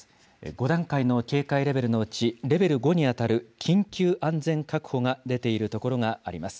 ５段階の警戒レベルのうちレベル５に当たる緊急安全確保が出ている所があります。